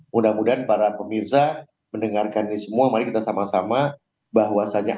mudah mudahan para pemirsa mendengarkan ini semua mari kita sama sama bahwasannya